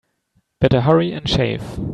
Better hurry and shave.